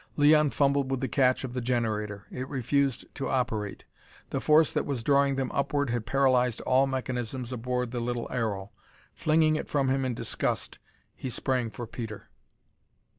Leon fumbled with the catch of the generator. It refused to operate. The force that was drawing them upward had paralyzed all mechanisms aboard the little aero. Flinging it from him in disgust he sprang for Peter.